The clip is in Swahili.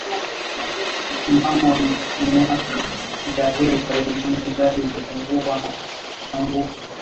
Mnamo miaka ya hivi karibuni idhaa imepanuka na inatangaza